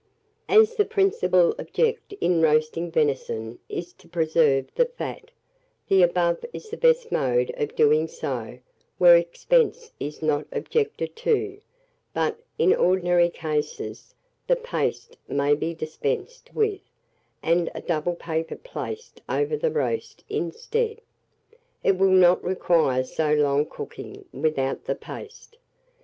As the principal object in roasting venison is to preserve the fat, the above is the best mode of doing so where expense is not objected to; but, in ordinary cases, the paste may be dispensed with, and a double paper placed over the roast instead: it will not require so long cooking without the paste.